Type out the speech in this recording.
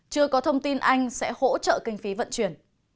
chưa có thông tin anh sẽ hỗ trợ kinh phí vận chuyển